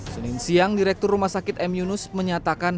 senin siang direktur rumah sakit m yunus menyatakan